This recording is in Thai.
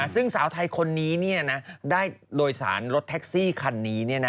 ซึ่งสาวไทยคนนี้ได้โดยสารรถแท็กซี่คันนี้